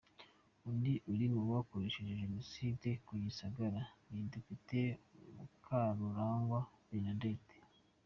Undi uri mu bakoresheje Jenoside ku Gisagara ni Depite Mukarurangwa Bernadette.